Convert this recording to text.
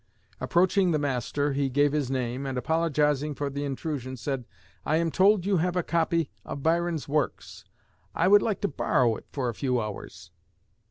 Approaching the master, he gave his name, and, apologizing for the intrusion, said, 'I am told you have a copy of Byron's works. I would like to borrow it for a few hours.'